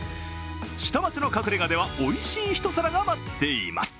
下町の隠れ家ではおいしい一皿が待っています。